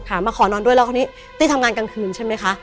มาขอนอนด้วยแล้วคราวนี้ตี้ทำงานกลางคืนใช่ไหมคะ